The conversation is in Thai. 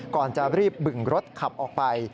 ก่อนจะรีบบึงรถขับออกไป